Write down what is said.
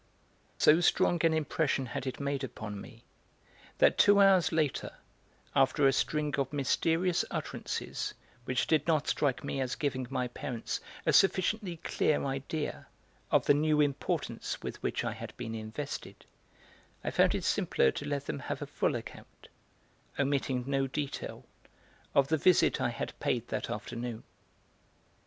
So strong an impression had it made upon me that two hours later, after a string of mysterious utterances which did not strike me as giving my parents a sufficiently clear idea of the new importance with which I had been invested, I found it simpler to let them have a full account, omitting no detail, of the visit I had paid that afternoon.